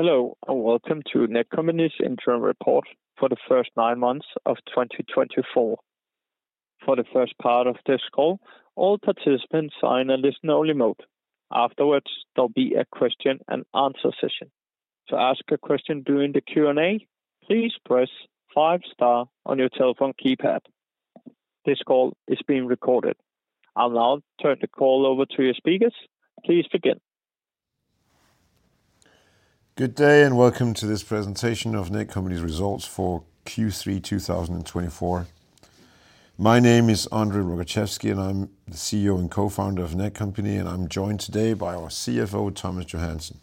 Hello, and welcome to Netcompany's interim report for the first nine months of 2024. For the first part of this call, all participants are in a listener-only mode. Afterwards, there'll be a question-and-answer session. To ask a question during the Q&A, please press five-star on your telephone keypad. This call is being recorded. I'll now turn the call over to your speakers. Please begin. Good day, and welcome to this presentation of Netcompany's results for Q3 2024. My name is André Rogaczewski, and I'm the CEO and co-founder of Netcompany. I'm joined today by our CFO, Thomas Johansen.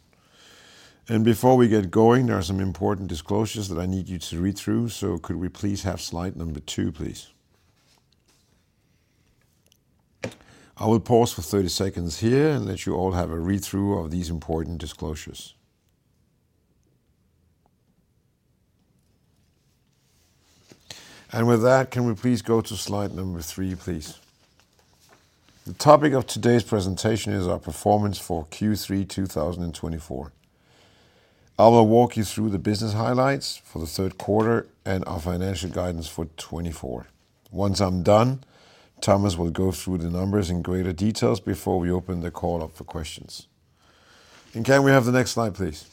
Before we get going, there are some important disclosures that I need you to read through. So could we please have slide number two, please? I will pause for 30 seconds here and let you all have a read-through of these important disclosures, and with that, can we please go to slide number three, please? The topic of today's presentation is our performance for Q3 2024. I will walk you through the business highlights for the third quarter and our financial guidance for 2024. Once I'm done, Thomas will go through the numbers in greater detail before we open the call up for questions, and can we have the next slide, please?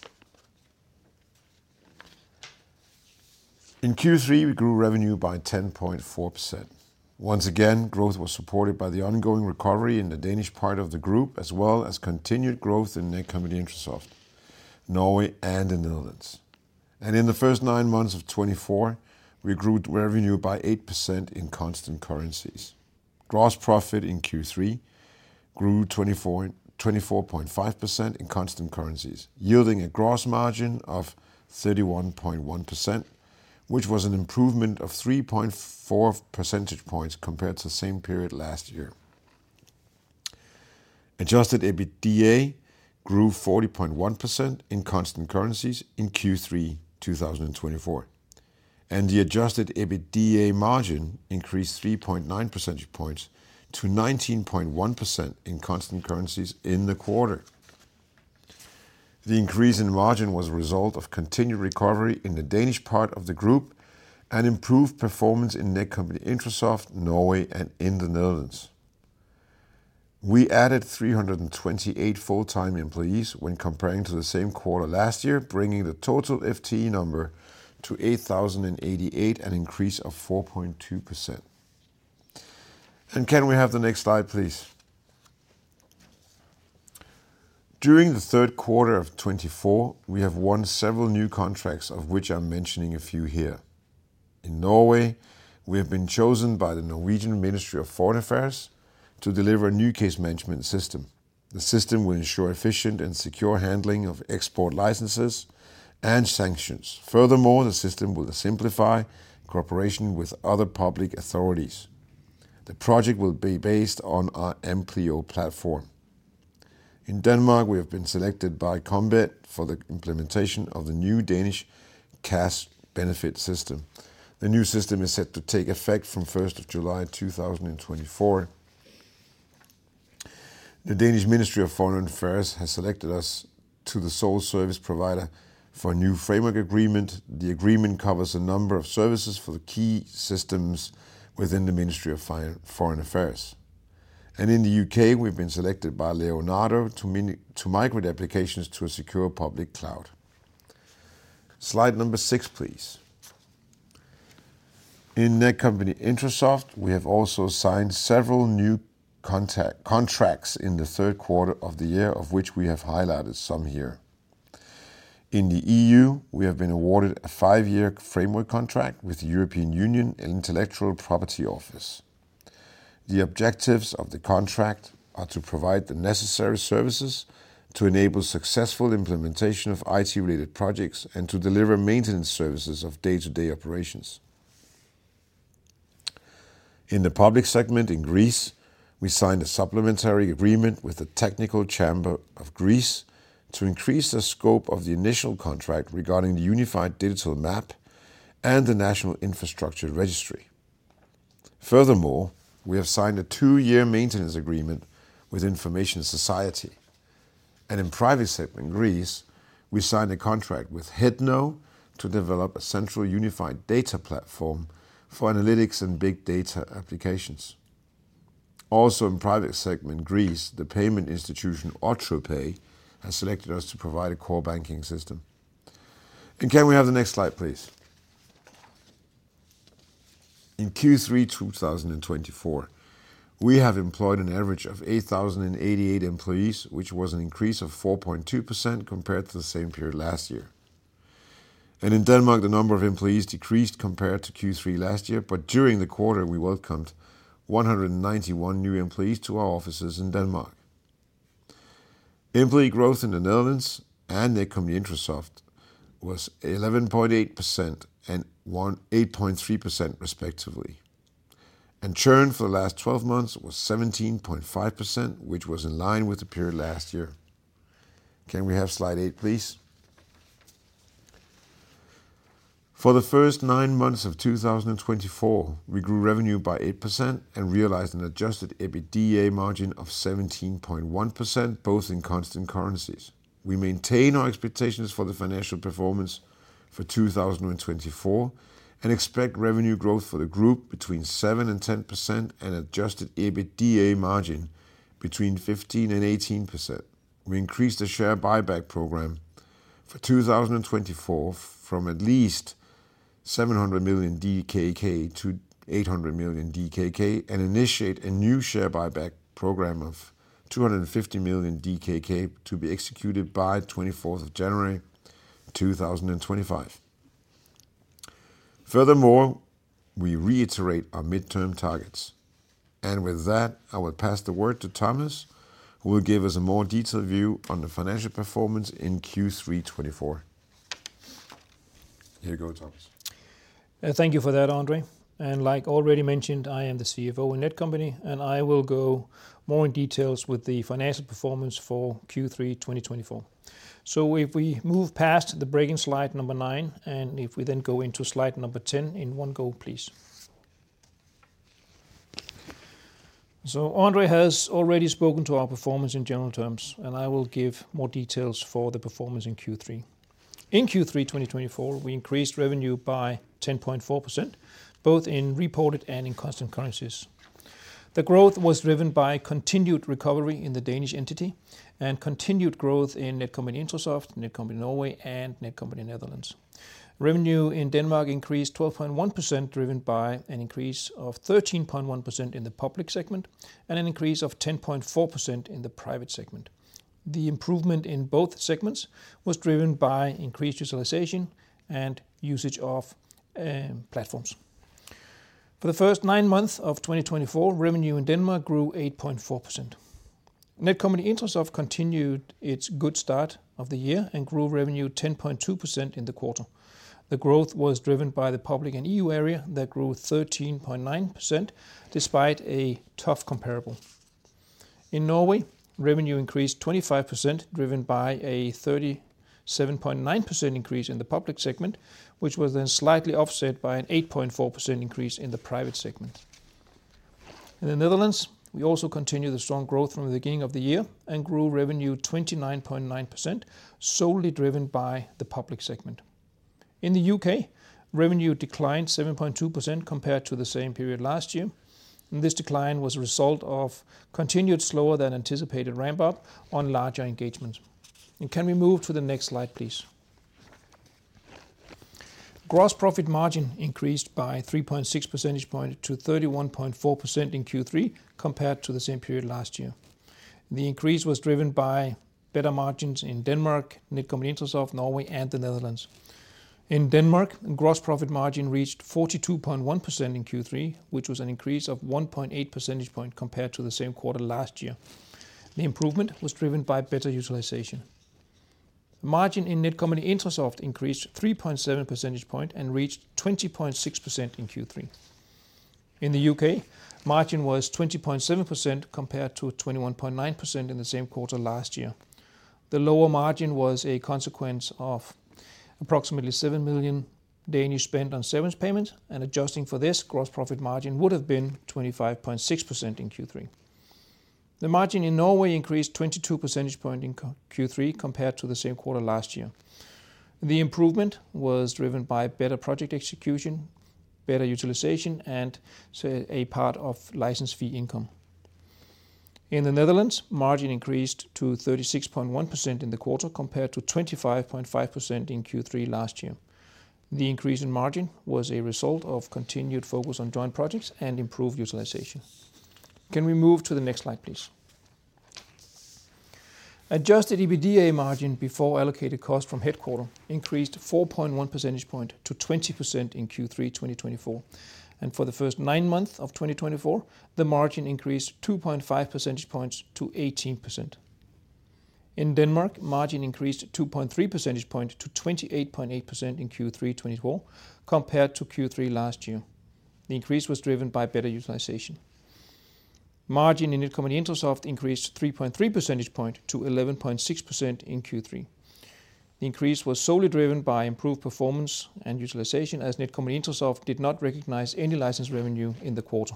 In Q3, we grew revenue by 10.4%. Once again, growth was supported by the ongoing recovery in the Danish part of the group, as well as continued growth in Netcompany-Intrasoft, Norway, and the Netherlands. And in the first nine months of 2024, we grew revenue by 8% in constant currencies. Gross profit in Q3 grew 24.5% in constant currencies, yielding a gross margin of 31.1%, which was an improvement of 3.4 percentage points compared to the same period last year. Adjusted EBITDA grew 40.1% in constant currencies in Q3 2024, and the adjusted EBITDA margin increased 3.9 percentage points to 19.1% in constant currencies in the quarter. The increase in margin was a result of continued recovery in the Danish part of the group and improved performance in Netcompany-Intrasoft, Norway, and in the Netherlands. We added 328 full-time employees when comparing to the same quarter last year, bringing the total FTE number to 8,088, and an increase of 4.2%. Can we have the next slide, please? During the third quarter of 2024, we have won several new contracts, of which I'm mentioning a few here. In Norway, we have been chosen by the Norwegian Ministry of Foreign Affairs to deliver a new case management system. The system will ensure efficient and secure handling of export licenses and sanctions. Furthermore, the system will simplify cooperation with other public authorities. The project will be based on our Amplio platform. In Denmark, we have been selected by KOMBIT for the implementation of the new Danish cash benefit system. The new system is set to take effect from July 1, 2024. The Norwegian Ministry of Foreign Affairs has selected us as the sole service provider for a new framework agreement. The agreement covers a number of services for the key systems within the Ministry of Foreign Affairs. And in the UK, we've been selected by Leonardo to migrate applications to a secure public cloud. Slide number six, please. In Netcompany-Intrasoft, we have also signed several new contracts in the third quarter of the year, of which we have highlighted some here. In the EU, we have been awarded a five-year framework contract with the European Union Intellectual Property Office. The objectives of the contract are to provide the necessary services to enable successful implementation of IT-related projects and to deliver maintenance services of day-to-day operations. In the public segment in Greece, we signed a supplementary agreement with the Technical Chamber of Greece to increase the scope of the initial contract regarding the Unified Digital Map and the National Infrastructure Registry. Furthermore, we have signed a two-year maintenance agreement with Information Society. And in the private segment in Greece, we signed a contract with HEDNO to develop a central unified data platform for analytics and big data applications. Also, in the private segment in Greece, the payment institution OKTO has selected us to provide a core banking system. And can we have the next slide, please? In Q3 2024, we have employed an average of 8,088 employees, which was an increase of 4.2% compared to the same period last year. In Denmark, the number of employees decreased compared to Q3 last year, but during the quarter, we welcomed 191 new employees to our offices in Denmark. Employee growth in the Netherlands and Netcompany-Intrasoft was 11.8% and 8.3%, respectively. Churn for the last 12 months was 17.5%, which was in line with the period last year. Can we have slide eight, please? For the first nine months of 2024, we grew revenue by 8% and realized an Adjusted EBITDA margin of 17.1%, both in constant currencies. We maintain our expectations for the financial performance for 2024 and expect revenue growth for the group between 7% and 10% and an Adjusted EBITDA margin between 15% and 18%. We increased the share buyback program for 2024 from at least 700 million DKK to 800 million DKK and initiate a new share buyback program of 250 million DKK to be executed by 24 January 2025. Furthermore, we reiterate our midterm targets. And with that, I will pass the word to Thomas, who will give us a more detailed view on the financial performance in Q3 2024. Here you go, Thomas. Thank you for that, André. And like already mentioned, I am the CFO of Netcompany and I will go more in detail with the financial performance for Q3 2024. So if we move past the break-even slide number nine, and if we then go into slide number 10 in one go, please. So André has already spoken to our performance in general terms, and I will give more details for the performance in Q3. In Q3 2024, we increased revenue by 10.4%, both in reported and in constant currencies. The growth was driven by continued recovery in the Danish entity and continued growth in Netcompany-Intrasoft, Netcompany Norway, and Netcompany Netherlands. Revenue in Denmark increased 12.1%, driven by an increase of 13.1% in the public segment and an increase of 10.4% in the private segment. The improvement in both segments was driven by increased utilization and usage of platforms. For the first nine months of 2024, revenue in Denmark grew 8.4%. Netcompany-Intrasoft continued its good start of the year and grew revenue 10.2% in the quarter. The growth was driven by the public and EU area that grew 13.9% despite a tough comparable. In Norway, revenue increased 25%, driven by a 37.9% increase in the public segment, which was then slightly offset by an 8.4% increase in the private segment. In the Netherlands, we also continued the strong growth from the beginning of the year and grew revenue 29.9%, solely driven by the public segment. In the UK, revenue declined 7.2% compared to the same period last year, and this decline was a result of continued slower-than-anticipated ramp-up on larger engagements, and can we move to the next slide, please? Gross profit margin increased by 3.6 percentage points to 31.4% in Q3 compared to the same period last year. The increase was driven by better margins in Denmark, Netcompany-Intrasoft, Norway, and the Netherlands. In Denmark, gross profit margin reached 42.1% in Q3, which was an increase of 1.8 percentage points compared to the same quarter last year. The improvement was driven by better utilization. Margin in Netcompany-Intrasoft increased 3.7 percentage points and reached 20.6% in Q3. In the UK, margin was 20.7% compared to 21.9% in the same quarter last year. The lower margin was a consequence of approximately 7 million DKK spent on severance payments, and adjusting for this, gross profit margin would have been 25.6% in Q3. The margin in Norway increased 22 percentage points in Q3 compared to the same quarter last year. The improvement was driven by better project execution, better utilization, and a part of license fee income. In the Netherlands, margin increased to 36.1% in the quarter compared to 25.5% in Q3 last year. The increase in margin was a result of continued focus on joint projects and improved utilization. Can we move to the next slide, please? Adjusted EBITDA margin before allocated cost from headquarters increased 4.1 percentage points to 20% in Q3 2024, and for the first nine months of 2024, the margin increased 2.5 percentage points to 18%. In Denmark, margin increased 2.3 percentage points to 28.8% in Q3 2024 compared to Q3 last year. The increase was driven by better utilization. Margin in Netcompany-Intrasoft increased 3.3 percentage points to 11.6% in Q3. The increase was solely driven by improved performance and utilization, as Netcompany-Intrasoft did not recognize any license revenue in the quarter.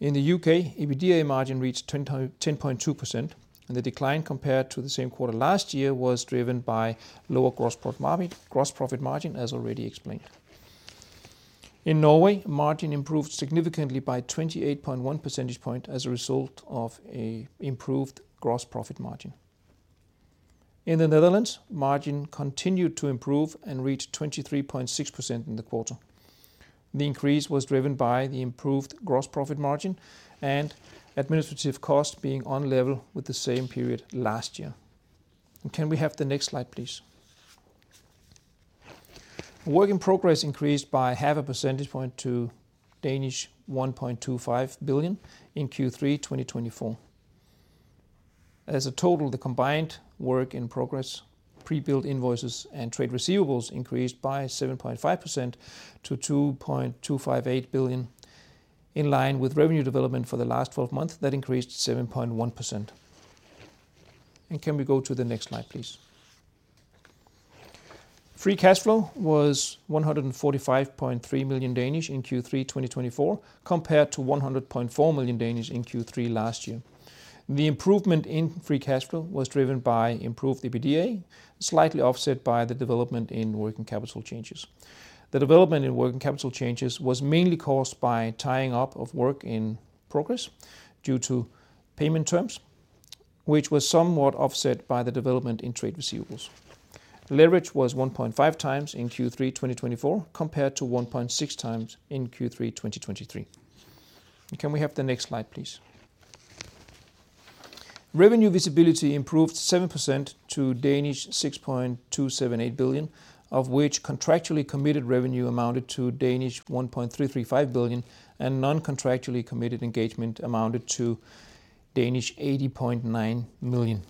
In the UK, EBITDA margin reached 10.2%, and the decline compared to the same quarter last year was driven by lower gross profit margin, as already explained. In Norway, margin improved significantly by 28.1 percentage points as a result of an improved gross profit margin. In the Netherlands, margin continued to improve and reached 23.6% in the quarter. The increase was driven by the improved gross profit margin and administrative costs being on level with the same period last year. And can we have the next slide, please? Work in progress increased by half a percentage point to 1.25 billion in Q3 2024. As a total, the combined work in progress, pre-built invoices, and trade receivables increased by 7.5% to 2.258 billion, in line with revenue development for the last 12 months that increased 7.1%. And can we go to the next slide, please? Free cash flow was 145.3 million in Q3 2024 compared to 100.4 million in Q3 last year. The improvement in free cash flow was driven by improved EBITDA, slightly offset by the development in working capital changes. The development in working capital changes was mainly caused by tying up of work in progress due to payment terms, which was somewhat offset by the development in trade receivables. Leverage was 1.5 times in Q3 2024 compared to 1.6 times in Q3 2023. And can we have the next slide, please? Revenue visibility improved 7% to 6.278 billion, of which contractually committed revenue amounted to 1.335 billion and non-contractually committed engagement amounted to 80.9 million.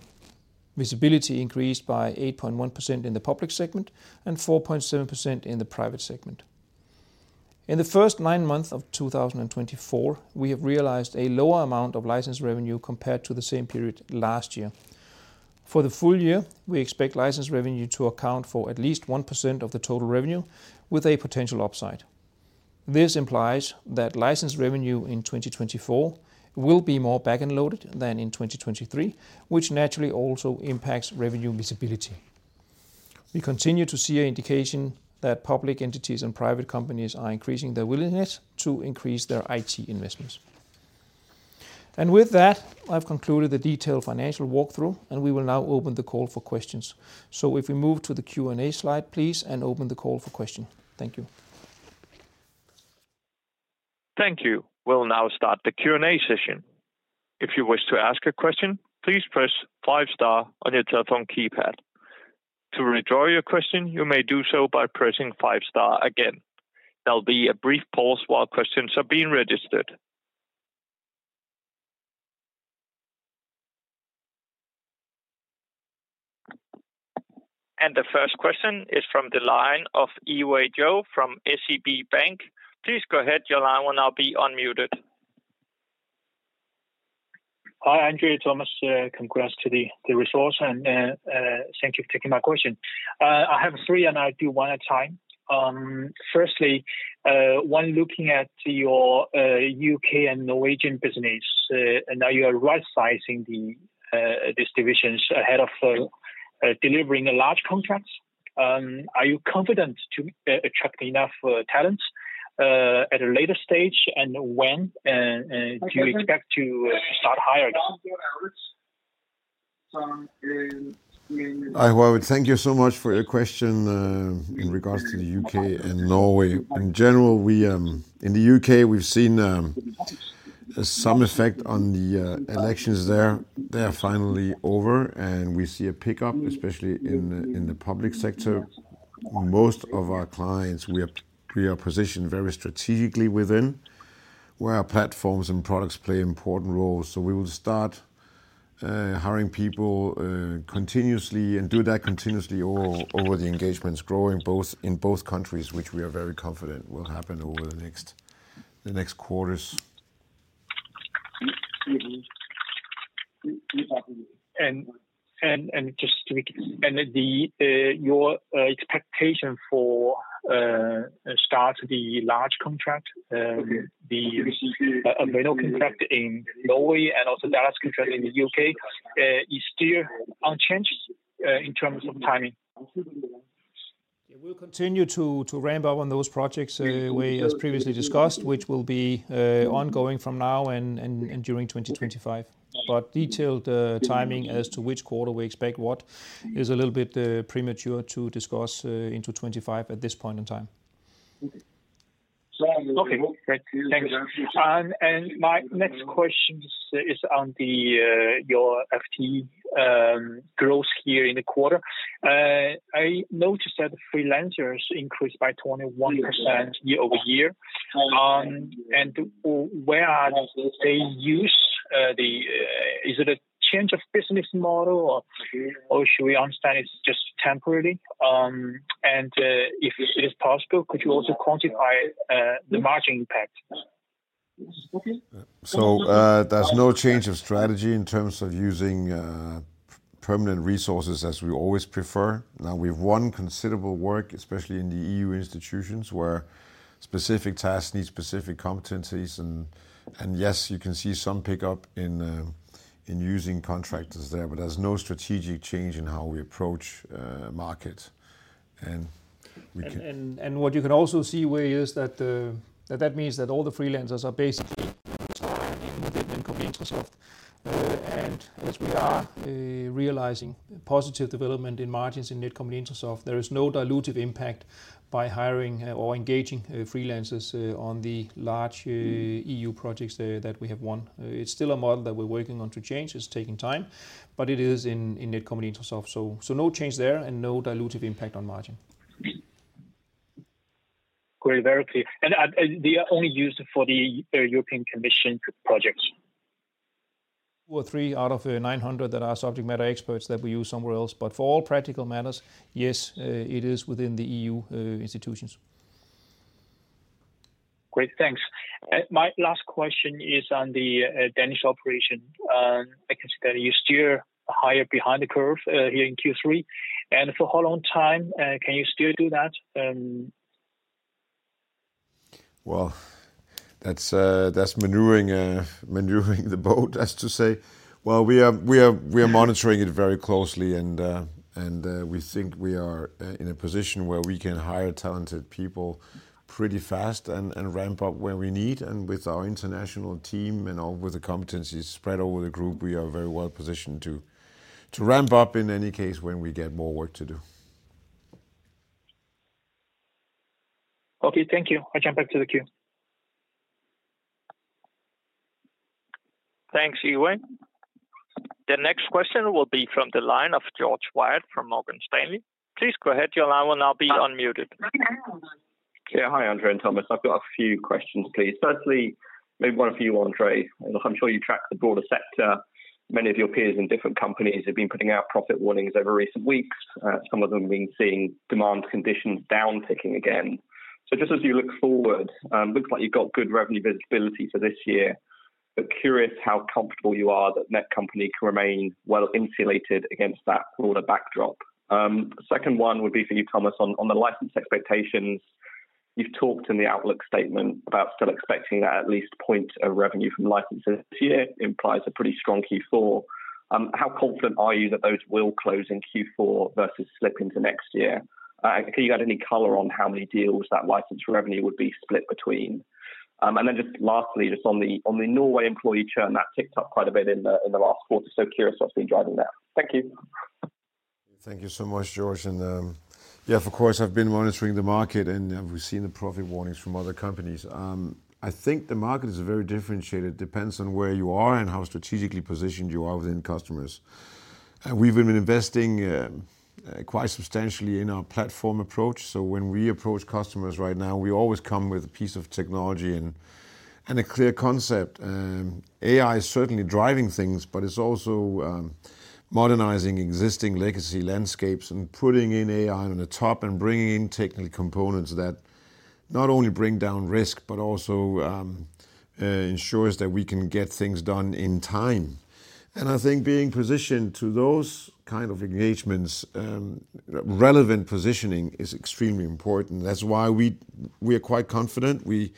Visibility increased by 8.1% in the public segment and 4.7% in the private segment. In the first nine months of 2024, we have realized a lower amount of license revenue compared to the same period last year. For the full year, we expect license revenue to account for at least 1% of the total revenue, with a potential upside. This implies that license revenue in 2024 will be more back-end loaded than in 2023, which naturally also impacts revenue visibility. We continue to see an indication that public entities and private companies are increasing their willingness to increase their IT investments, and with that, I've concluded the detailed financial walkthrough, and we will now open the call for questions, so if we move to the Q&A slide, please, and open the call for questions. Thank you. Thank you. We'll now start the Q&A session. If you wish to ask a question, please press five-star on your telephone keypad. To withdraw your question, you may do so by pressing five-star again. There'll be a brief pause while questions are being registered, and the first question is from Yiwei Zhou from SEB Bank. Please go ahead, Yiwei, when you'll be unmuted. Hi, André, Thomas, congrats on the results, and thank you for taking my question. I have three, and I do one at a time. Firstly, when looking at your UK and Norwegian business, and now you are right-sizing these divisions ahead of delivering large contracts, are you confident to attract enough talents at a later stage, and when do you expect to start hiring? I would thank you so much for your question in regards to the UK and Norway. In general, in the UK, we've seen some effect on the elections there. They're finally over, and we see a pickup, especially in the public sector. Most of our clients, we are positioned very strategically within where our platforms and products play important roles. So we will start hiring people continuously and do that continuously over the engagements growing in both countries, which we are very confident will happen over the next quarters. Your expectation for starting the large contract, the renewal contract in Norway and also the last contract in the UK, is still unchanged in terms of timing? We'll continue to ramp up on those projects, as previously discussed, which will be ongoing from now and during 2025, but detailed timing as to which quarter we expect what is a little bit premature to discuss into 2025 at this point in time. Okay. Thank you. And my next question is on your FTE growth here in the quarter. I noticed that freelancers increased by 21% year over year. And where are they used? Is it a change of business model, or should we understand it's just temporary? And if it is possible, could you also quantify the margin impact? So there's no change of strategy in terms of using permanent resources as we always prefer. Now, we have won considerable work, especially in the EU institutions where specific tasks need specific competencies. And yes, you can see some pickup in using contractors there, but there's no strategic change in how we approach markets. What you can also see is that that means that all the freelancers are basically within Netcompany-Intrasoft. And as we are realizing positive development in margins in Netcompany-Intrasoft, there is no dilutive impact by hiring or engaging freelancers on the large EU projects that we have won. It's still a model that we're working on to change. It's taking time, but it is in Netcompany-Intrasoft. So no change there and no dilutive impact on margin. Great. Very clear, and they are only used for the European Commission projects? Two or three out of the 900 that are subject matter experts that we use somewhere else. But for all practical matters, yes, it is within the EU institutions. Great. Thanks. My last question is on the Danish operation. I can see that you still hire behind the curve here in Q3. And for how long time can you still do that? That's maneuvering the boat, as they say. We are monitoring it very closely, and we think we are in a position where we can hire talented people pretty fast and ramp up where we need. With our international team and with the competencies spread over the group, we are very well positioned to ramp up in any case when we get more work to do. Okay. Thank you. I'll jump back to the queue. Thanks, Yiwei. The next question will be from the line of George Webb from Morgan Stanley. Please go ahead. The line will be unmuted. Yeah. Hi, André and Thomas. I've got a few questions, please. Firstly, maybe one for you, André. I'm sure you track the broader sector. Many of your peers in different companies have been putting out profit warnings over recent weeks. Some of them have been seeing demand conditions down ticking again. So just as you look forward, it looks like you've got good revenue visibility for this year, but curious how comfortable you are that Netcompany can remain well insulated against that broader backdrop. Second one would be for you, Thomas, on the license expectations. You've talked in the outlook statement about still expecting at least a point of revenue from licenses this year. It implies a pretty strong Q4. How confident are you that those will close in Q4 versus slip into next year? Can you add any color on how many deals that license revenue would be split between? And then just lastly, just on the Norway employee churn that ticked up quite a bit in the last quarter, so curious what's been driving that? Thank you. Thank you so much, George. And yes, of course, I've been monitoring the market, and we've seen the profit warnings from other companies. I think the market is very differentiated. It depends on where you are and how strategically positioned you are within customers. And we've been investing quite substantially in our platform approach. So when we approach customers right now, we always come with a piece of technology and a clear concept. AI is certainly driving things, but it's also modernizing existing legacy landscapes and putting in AI on the top and bringing in technical components that not only bring down risk, but also ensures that we can get things done in time. And I think being positioned to those kinds of engagements, relevant positioning is extremely important. That's why we are quite confident. We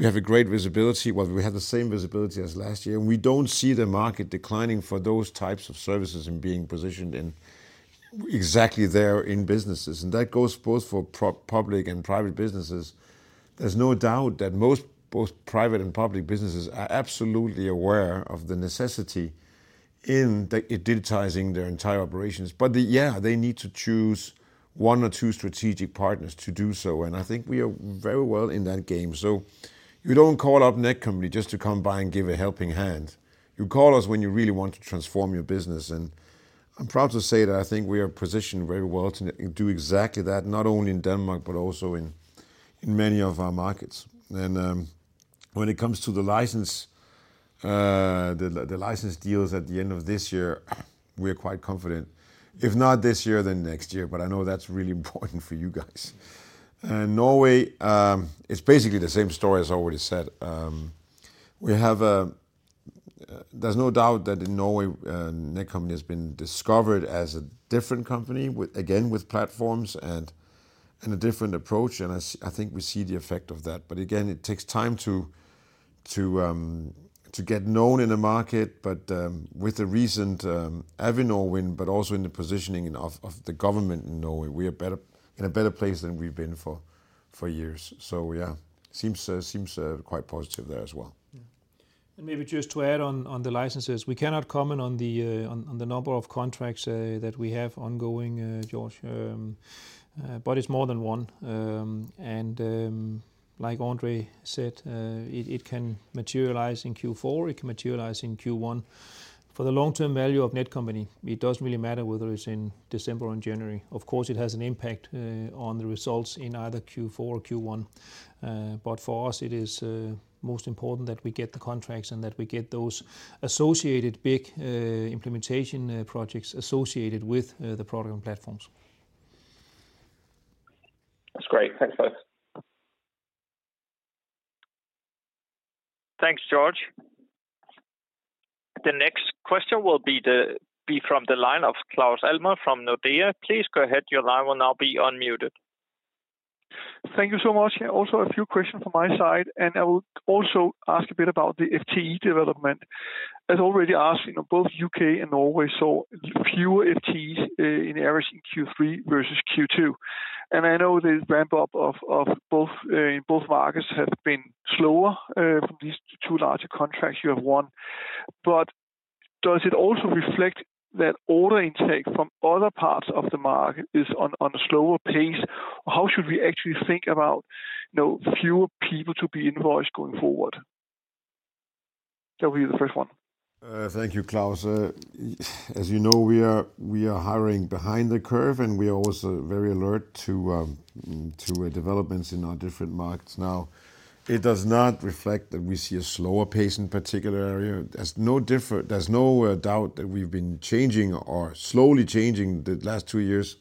have a great visibility. Well, we have the same visibility as last year. We don't see the market declining for those types of services and being positioned exactly there in businesses, and that goes both for public and private businesses. There's no doubt that both private and public businesses are absolutely aware of the necessity in digitizing their entire operations, but yeah, they need to choose one or two strategic partners to do so, and I think we are very well in that game, so you don't call up Netcompany just to come by and give a helping hand. You call us when you really want to transform your business, and I'm proud to say that I think we are positioned very well to do exactly that, not only in Denmark, but also in many of our markets, and when it comes to the license deals at the end of this year, we are quite confident. If not this year, then next year. But I know that's really important for you guys. Norway, it's basically the same story as I already said. There's no doubt that in Norway, Netcompany has been discovered as a different company, again, with platforms and a different approach. And I think we see the effect of that. But again, it takes time to get known in the market, but with a recent Avinor win, but also in the positioning of the government in Norway, we are in a better place than we've been for years. So yeah, it seems quite positive there as well. And maybe just to add on the licenses, we cannot comment on the number of contracts that we have ongoing, George, but it's more than one. And like André said, it can materialize in Q4. It can materialize in Q1. For the long-term value of Netcompany. It doesn't really matter whether it's in December or in January. Of course, it has an impact on the results in either Q4 or Q1. But for us, it is most important that we get the contracts and that we get those associated big implementation projects associated with the product and platforms. That's great. Thanks, folks. Thanks, George. The next question will be from the line of Claus Almer from Nordea. Please go ahead. Your line will now be unmuted. Thank you so much. Also, a few questions from my side. And I will also ask a bit about the FTE development. As already asked, both U.K. and Norway saw fewer FTEs in areas in Q3 versus Q2. And I know the ramp-up in both markets has been slower from these two larger contracts you have won. But does it also reflect that order intake from other parts of the market is on a slower pace? How should we actually think about fewer people to be invoiced going forward? That would be the first one. Thank you, Claus. As you know, we are hiring behind the curve, and we are also very alert to developments in our different markets. Now, it does not reflect that we see a slower pace in particular area. There's no doubt that we've been changing or slowly changing the last two years.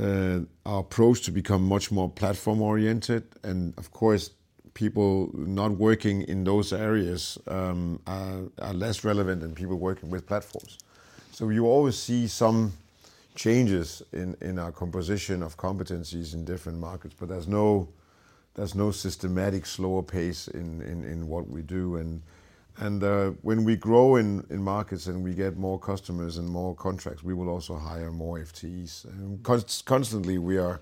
Our approach to become much more platform-oriented, and of course, people not working in those areas are less relevant than people working with platforms. So you always see some changes in our composition of competencies in different markets, but there's no systematic slower pace in what we do, and when we grow in markets and we get more customers and more contracts, we will also hire more FTEs. Constantly, we are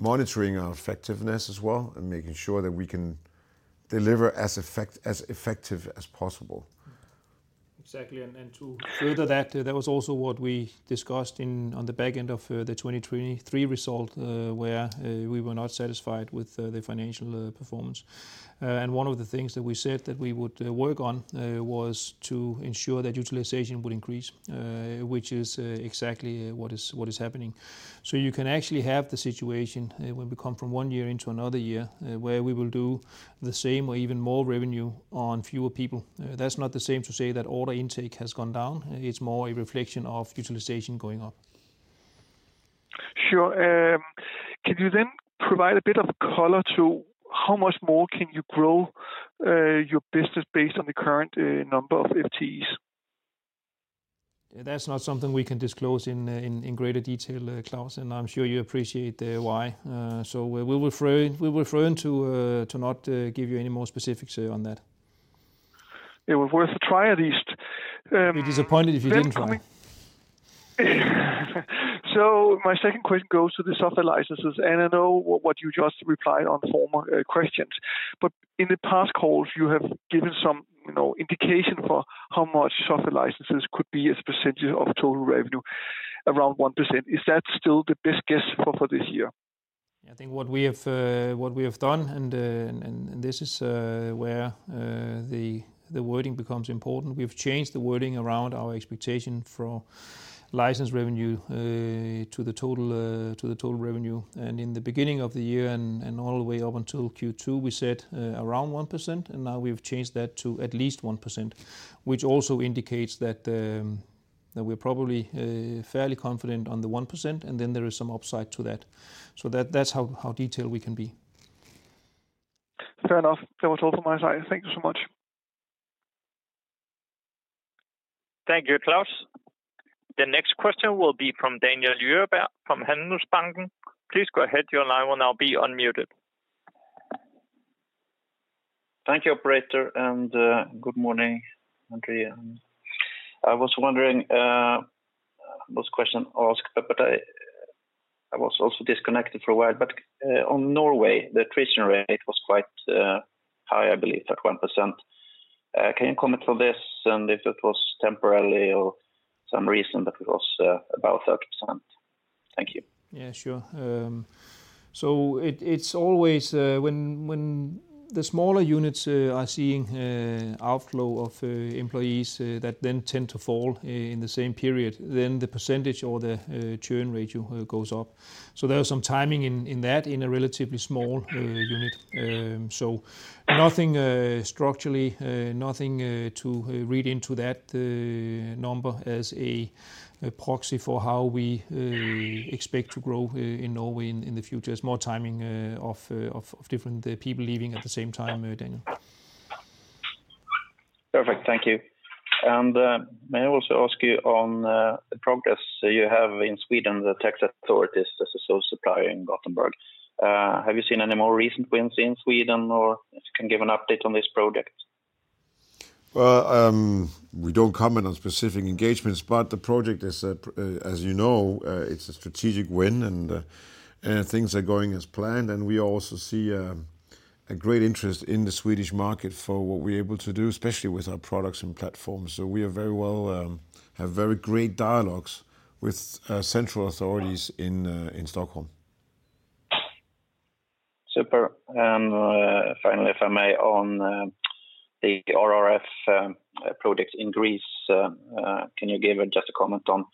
monitoring our effectiveness as well and making sure that we can deliver as effective as possible. Exactly. And to further that, that was also what we discussed on the back end of the 2023 result where we were not satisfied with the financial performance. And one of the things that we said that we would work on was to ensure that utilization would increase, which is exactly what is happening. So you can actually have the situation when we come from one year into another year where we will do the same or even more revenue on fewer people. That's not the same to say that order intake has gone down. It's more a reflection of utilization going up. Sure. Can you then provide a bit of color to how much more can you grow your business based on the current number of FTEs? That's not something we can disclose in greater detail, Claus. And I'm sure you appreciate why. So we will refrain to not give you any more specifics on that. It was worth a try at least. You're disappointed if you didn't try. So my second question goes to the software licenses. And I know what you just replied on former questions. But in the past calls, you have given some indication for how much software licenses could be as a percentage of total revenue, around 1%. Is that still the best guess for this year? I think what we have done, and this is where the wording becomes important, we've changed the wording around our expectation for license revenue to the total revenue. And in the beginning of the year and all the way up until Q2, we said around 1%. And now we've changed that to at least 1%, which also indicates that we're probably fairly confident on the 1%, and then there is some upside to that. So that's how detailed we can be. Fair enough. That was all from my side. Thank you so much. Thank you, Claus. The next question will be from Daniel Djurberg from Handelsbanken. Please go ahead. Your line will now be unmuted. Thank you, Operator. And good morning, André. I was wondering what question to ask, but I was also disconnected for a while. But in Norway, the attrition rate was quite high, I believe, at 1%. Can you comment on this and if it was temporary or some reason that it was about 30%? Thank you. Yeah, sure. So it's always when the smaller units are seeing outflow of employees that then tend to fall in the same period, then the percentage or the churn ratio goes up. So there's some timing in that in a relatively small unit. So nothing structurally, nothing to read into that number as a proxy for how we expect to grow in Norway in the future. It's more timing of different people leaving at the same time, Daniel. Perfect. Thank you. And may I also ask you on the progress you have in Sweden, the tax authorities as a sole supplier in Gothenburg? Have you seen any more recent wins in Sweden, or can you give an update on this project? We don't comment on specific engagements, but the project is, as you know, it's a strategic win, and things are going as planned. We also see a great interest in the Swedish market for what we're able to do, especially with our products and platforms. We have very great dialogues with central authorities in Stockholm. Super. And finally, if I may, on the RRF project in Greece, can you give just a comment on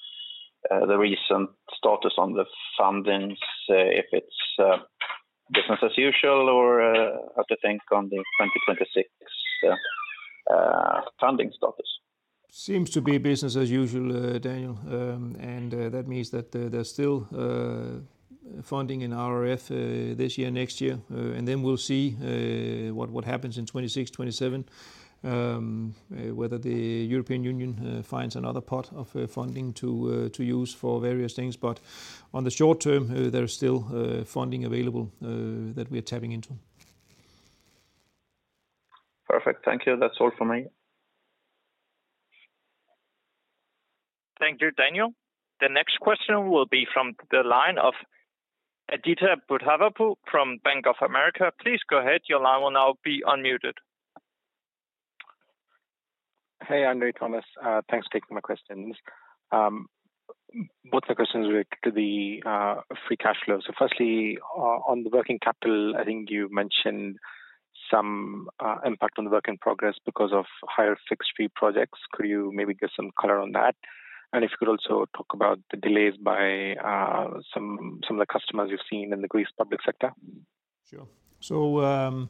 the recent status on the fundings, if it's business as usual, or what do you think on the 2026 funding status? Seems to be business as usual, Daniel. And that means that there's still funding in RRF this year, next year. And then we'll see what happens in 2026, 2027, whether the European Union finds another pot of funding to use for various things. But on the short term, there's still funding available that we are tapping into. Perfect. Thank you. That's all from me. Thank you, Daniel. The next question will be from the line of Aditya Bhatia from Bank of America. Please go ahead. Your line will now be unmuted. Hey, André, Thomas. Thanks for taking my questions. What's the question related to the free cash flow? So firstly, on the working capital, I think you mentioned some impact on the work in progress because of higher fixed fee projects. Could you maybe give some color on that? And if you could also talk about the delays by some of the customers you've seen in the Greece public sector. Sure. So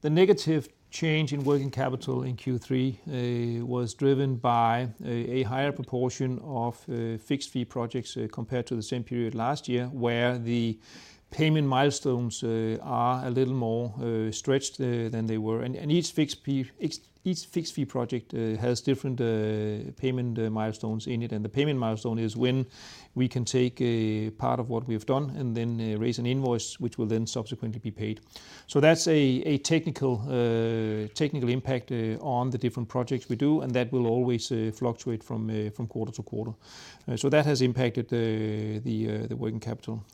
the negative change in working capital in Q3 was driven by a higher proportion of fixed fee projects compared to the same period last year, where the payment milestones are a little more stretched than they were. And each fixed fee project has different payment milestones in it. And the payment milestone is when we can take part of what we have done and then raise an invoice, which will then subsequently be paid. So that's a technical impact on the different projects we do, and that will always fluctuate from quarter to quarter. So that has impacted the working capital.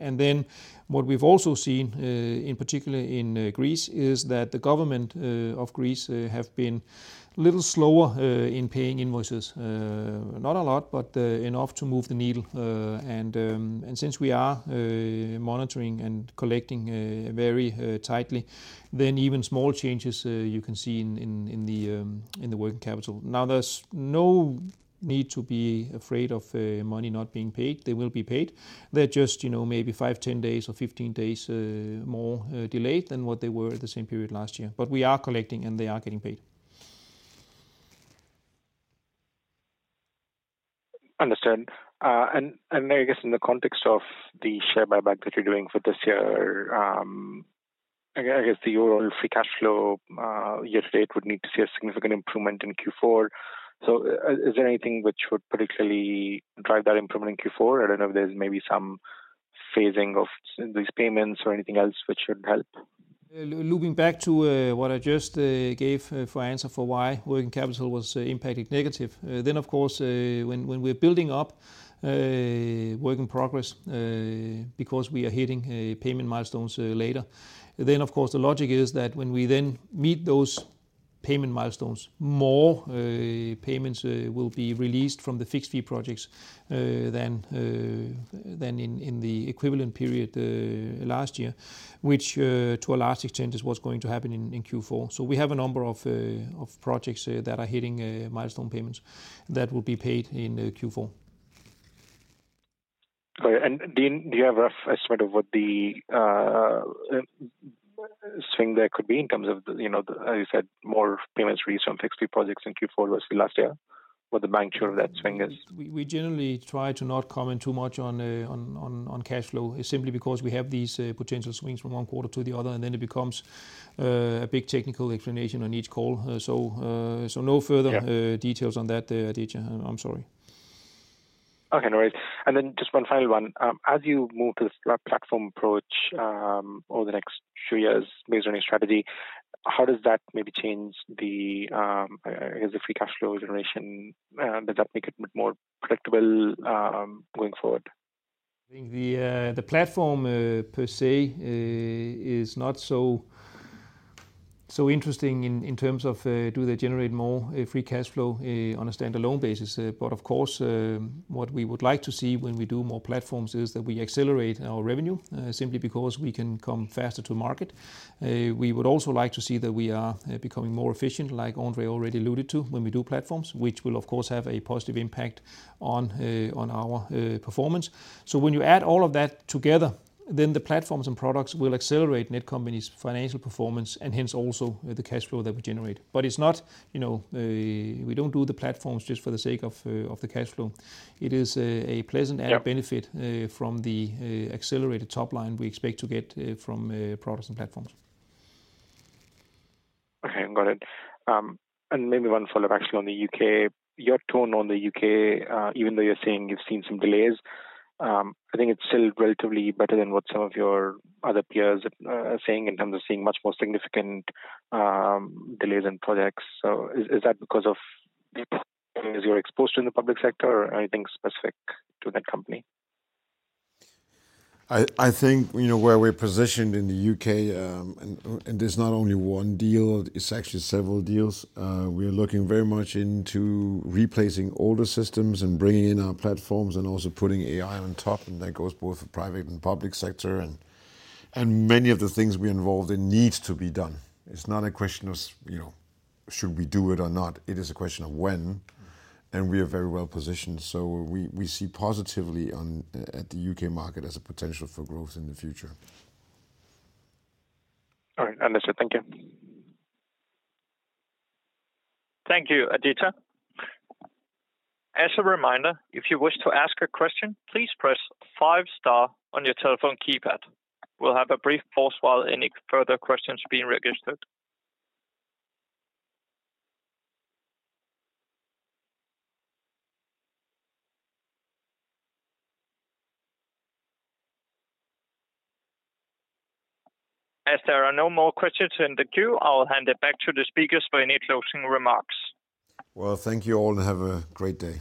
And then what we've also seen, in particular in Greece, is that the government of Greece has been a little slower in paying invoices. Not a lot, but enough to move the needle. And since we are monitoring and collecting very tightly, then even small changes you can see in the working capital. Now, there's no need to be afraid of money not being paid. They will be paid. They're just maybe five, 10 days, or 15 days more delayed than what they were at the same period last year. But we are collecting, and they are getting paid. Understood. And I guess in the context of the share buyback that you're doing for this year, I guess the overall free cash flow year to date would need to see a significant improvement in Q4. So is there anything which would particularly drive that improvement in Q4? I don't know if there's maybe some phasing of these payments or anything else which should help. Looping back to what I just gave for answer for why working capital was impacted negative, then of course, when we're building up work in progress because we are hitting payment milestones later, then of course, the logic is that when we then meet those payment milestones, more payments will be released from the fixed fee projects than in the equivalent period last year, which to a large extent is what's going to happen in Q4. So we have a number of projects that are hitting milestone payments that will be paid in Q4. Do you have an estimate of what the swing there could be in terms of, as you said, more payments released from fixed fee projects in Q4 versus last year? What the magnitude of that swing is? We generally try to not comment too much on cash flow simply because we have these potential swings from one quarter to the other, and then it becomes a big technical explanation on each call. So no further details on that, Aditya. I'm sorry. Okay, André. And then just one final one. As you move to the platform approach over the next few years based on your strategy, how does that maybe change the, I guess, the free cash flow generation? Does that make it more predictable going forward? I think the platform per se is not so interesting in terms of do they generate more free cash flow on a standalone basis. But of course, what we would like to see when we do more platforms is that we accelerate our revenue simply because we can come faster to market. We would also like to see that we are becoming more efficient, like André already alluded to, when we do platforms, which will, of course, have a positive impact on our performance. So when you add all of that together, then the platforms and products will accelerate Netcompany's financial performance and hence also the cash flow that we generate. But it's not we don't do the platforms just for the sake of the cash flow. It is a pleasant added benefit from the accelerated top line we expect to get from products and platforms. Okay, got it. And maybe one follow-up, actually, on the U.K. Your tone on the U.K., even though you're saying you've seen some delays, I think it's still relatively better than what some of your other peers are saying in terms of seeing much more significant delays in projects. So is that because of the problems you're exposed to in the public sector or anything specific to that company? I think where we're positioned in the U.K., and it's not only one deal, it's actually several deals. We are looking very much into replacing older systems and bringing in our platforms and also putting AI on top, and that goes both for private and public sector, and many of the things we are involved in need to be done. It's not a question of should we do it or not. It is a question of when, and we are very well positioned, so we see positively at the U.K. market as a potential for growth in the future. All right. Understood. Thank you. Thank you, Aditya. As a reminder, if you wish to ask a question, please press five star on your telephone keypad. We'll have a brief pause while any further questions are being registered. As there are no more questions in the queue, I'll hand it back to the speakers for any closing remarks. Thank you all and have a great day.